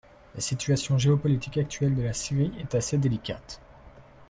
La situation géopolitique actuelle de la Syrie est assez délicate.